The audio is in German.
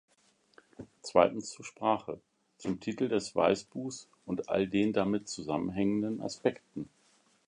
Zweitens zur Sprache, zum Titel des Weißbuchs und all den damit zusammenhängenden Aspekten.